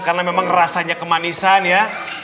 karena memang rasanya kemanisan ya